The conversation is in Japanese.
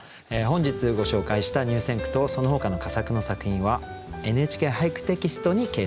本日ご紹介した入選句とそのほかの佳作の作品は「ＮＨＫ俳句」テキストに掲載されます。